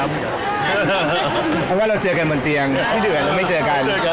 เพราะว่าเราเจอกันบนเตียงที่เดือดเราไม่เจอกัน